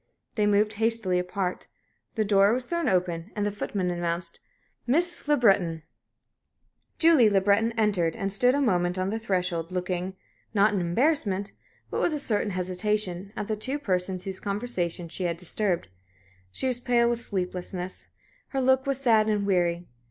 They moved hastily apart. The door was thrown open, and the footman announced, "Miss Le Breton." Julie Le Breton entered, and stood a moment on the threshold, looking, not in embarrassment, but with a certain hesitation, at the two persons whose conversation she had disturbed. She was pale with sleeplessness; her look was sad and weary.